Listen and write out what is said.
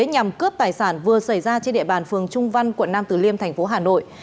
nhằm cướp tài sản vừa xảy ra trên địa bàn phường trung văn quận nam tử liêm tp hà nội